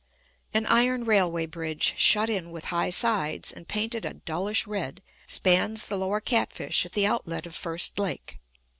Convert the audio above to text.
An iron railway bridge, shut in with high sides, and painted a dullish red, spans the Lower Catfish at the outlet of First Lake.